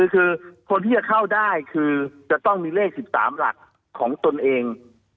คือคนที่จะเข้าได้คือจะต้องมีเลข๑๓หลักของตนเอง